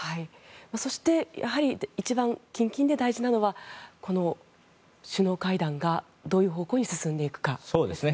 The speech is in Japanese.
そして一番近々で大事なのは首脳会談がどういう方向に進んでいくかですね。